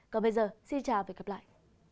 còn bây giờ xin chào và hẹn gặp lại